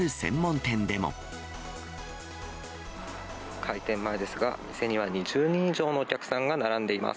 開店前ですが、店には２０人以上のお客さんが並んでいます。